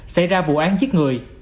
xảy ra vụ án giết người